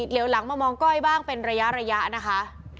เหลียวหลังมามองก้อยบ้างเป็นระยะนะคะ